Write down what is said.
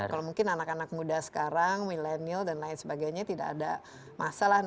kalau mungkin anak anak muda sekarang milenial dan lain sebagainya tidak ada masalah